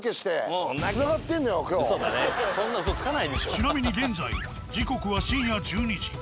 ちなみに現在時刻は深夜１２時。